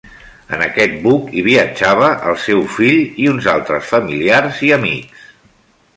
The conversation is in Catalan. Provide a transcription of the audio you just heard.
En aquest buc hi viatjava el seu fill i uns altres familiars i amics.